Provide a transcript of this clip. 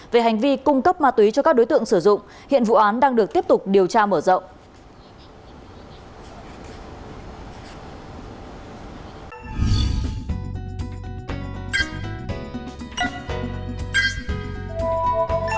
về hành vi cung cấp ma túy cho các đối tượng sử dụng hiện vụ án đang được tiếp tục điều tra mở rộng